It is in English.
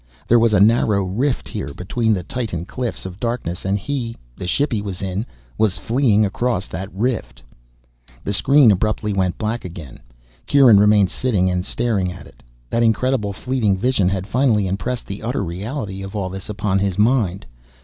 There was a narrow rift here between the titan cliffs of darkness and he the ship he was in was fleeing across that rift. The screen abruptly went black again. Kieran remained sitting and staring at it. That incredible fleeting vision had finally impressed the utter reality of all this upon his mind.